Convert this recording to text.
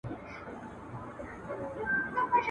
هم له کلیو هم له ښار دعوې راتللې !.